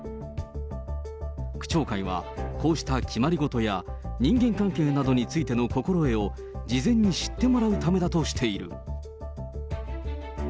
区長会は、こうした決まり事や、人間関係などについての心得を、事前に知ってもらうためだとしている。